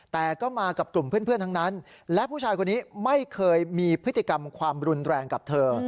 แต่ก็มากับกลุ่มเพื่อนทั้งนั้นและผู้ชายคนนี้ไม่เคยมีพฤติกรรมความรุนแรงกับเธอ